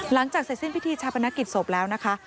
หลังจากเสร็จสิ้นพิธีชาปนกิจศพแล้วนะคะ